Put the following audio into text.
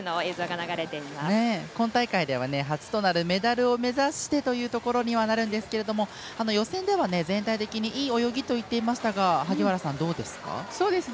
今大会では初となるメダルを目指してというところになるんですが予選では、全体的にいい泳ぎといっていましたが萩原さん、どうですか？